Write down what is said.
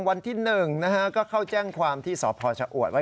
ญาติพี่น้องต่างก็แสดงความยินดี